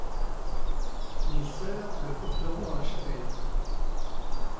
Les soeurs le porteront dans la chapelle.